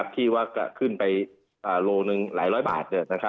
ที่ว่าขึ้นไปโลหนึ่งหลายร้อยบาท